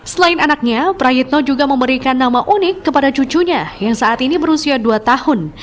selain anaknya prayitno juga memberikan nama unik kepada cucunya yang saat ini berusia dua tahun